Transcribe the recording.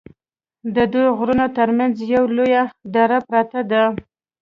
ددوو غرونو تر منځ یوه لویه دره پراته ده